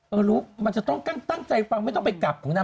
รู้มันจะต้องตั้งใจฟังไม่ต้องไปกลับของนาง